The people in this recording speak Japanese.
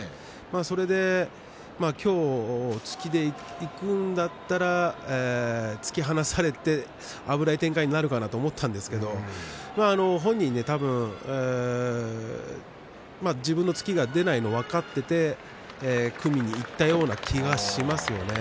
それで今日突きでいくんだったら突き放されて危ない展開になるかなと思ったんですけれど本人は多分、自分の突きが出ないのが分かっていて組みにいったような気がしますよね。